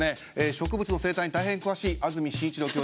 植物の生態に大変詳しい安住紳一郎教授です。